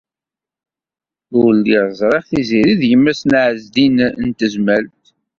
Ur lliɣ ẓriɣ Tiziri d yemma-s n Ɛezdin n Tezmalt.